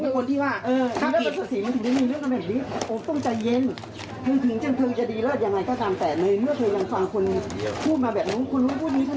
ค่ะแล้วใครอยู่ไหมครับ